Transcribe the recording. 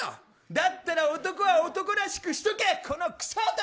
だったら男は男らしくしとけ、このクソ男。